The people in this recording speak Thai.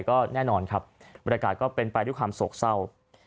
ก็แน่นอนครับบรรยากาศก็เป็นไปด้วยความโศกเศร้า